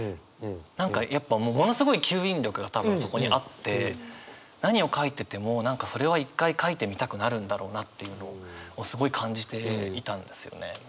何かやっぱものすごい吸引力が多分そこにあって何を書いててもそれは一回書いてみたくなるんだろうなっていうのをすごい感じていたんですよね。